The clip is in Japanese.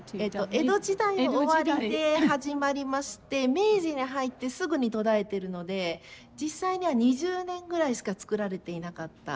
江戸時代の終わりで始まりまして明治に入ってすぐに途絶えてるので実際には２０年ぐらいしか作られていなかった。